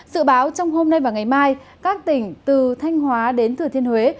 sự báo trong hôm nay và ngày mai các tỉnh từ thanh hóa đến thừa thiên huế